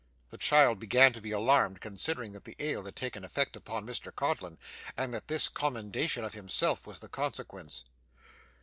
The child began to be alarmed, considering that the ale had taken effect upon Mr Codlin, and that this commendation of himself was the consequence.